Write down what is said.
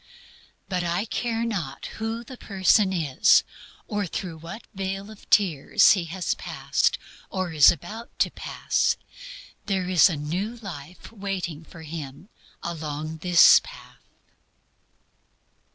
But I care not who the person is, or through what vale of tears he has passed, or is about to pass, there is a new life for him along this path.